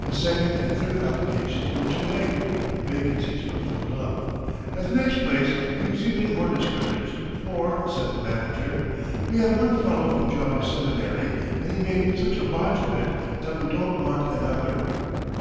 His second and third applications were too late; the vacancies were filled up. At the next place he was even more discouraged, for, said the manager, "We had one fellow from Geauga Seminary, and he made such a botch of it, that we don't want another."